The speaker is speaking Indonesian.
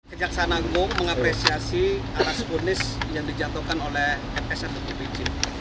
kejaksaan agung mengapresiasi aras unis yang dijatuhkan oleh psn dan upj